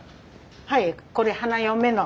はいこれ花嫁の。